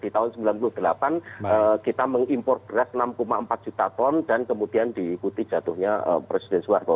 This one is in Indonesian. di tahun seribu sembilan ratus sembilan puluh delapan kita mengimpor beras enam empat juta ton dan kemudian diikuti jatuhnya presiden suarbo